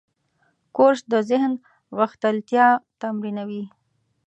کورس د ذهن غښتلتیا تمرینوي.